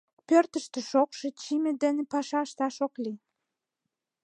Пӧртыштӧ шокшо, чийыме дене паша ышташ ок лий.